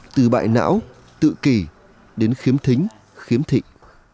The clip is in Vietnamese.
từ bại não tự kỷ đến khiếm thính khiếm thị